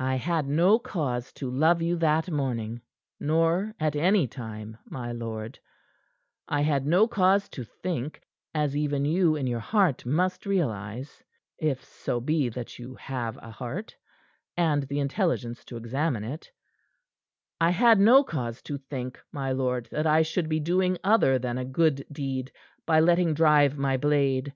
"I had no cause to love you that morning, nor at any time, my lord; I had no cause to think as even you in your heart must realize, if so be that you have a heart, and the intelligence to examine it I had no cause to think, my lord, that I should be doing other than a good deed by letting drive my blade.